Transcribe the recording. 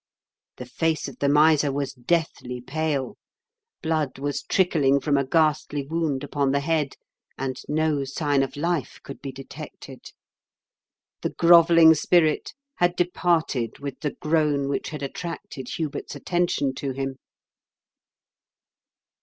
The face of the miser was deathly pale, blood was trickling from a ghastly wound upon the head, and no sign of life could be detected. The grovelUng spirit had departed with the groan which had attracted Hubert's attention to him.